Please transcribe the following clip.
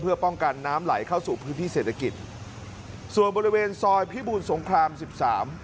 เพื่อป้องกันน้ำไหลเข้าสู่พื้นที่เศรษฐกิจส่วนบริเวณซอยพิบูรสงครามสิบสาม